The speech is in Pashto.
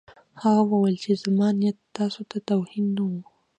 هغه وویل چې زما نیت تاسو ته توهین نه و